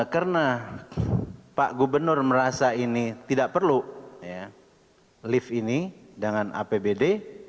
karena pak gubernur merasa ini tidak perlu lift ini dengan apbd